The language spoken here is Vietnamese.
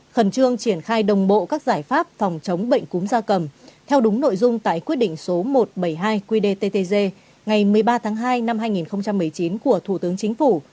khẩn trương triển khai đồng bộ các giải pháp phòng chống bệnh cúm gia cầm theo đúng nội dung tại quyết định số một trăm bảy mươi hai qdttg ngày một mươi ba tháng hai năm hai nghìn một mươi chín của thủ tướng chính phủ